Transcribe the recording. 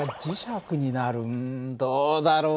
うんどうだろうね。